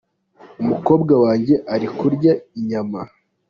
Umukobwa wanjye ari kurya inyama.